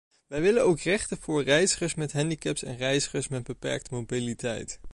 Wij willen ook rechten voor reizigers met handicaps en reizigers met beperkte mobiliteit.